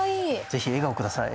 是非笑顔ください